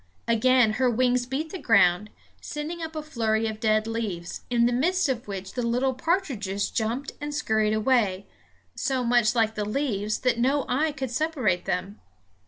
Again her wings beat the ground, sending up a flurry of dead leaves, in the midst of which the little partridges jumped and scurried away, so much like the leaves that no eye could separate them.